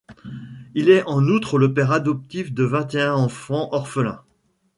Il est en outre le père adoptif de vingt et un enfants orphelins.